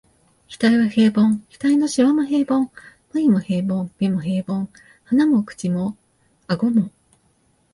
額は平凡、額の皺も平凡、眉も平凡、眼も平凡、鼻も口も顎も、